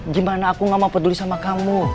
gimana aku gak mau peduli sama kamu